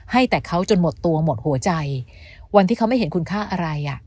ให้แต่เขาจนหมดตัวหมดหัวใจวันที่เขาไม่เห็นคุณค่าอะไรอ่ะ